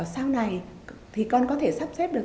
sau này thì con có thể sắp xếp được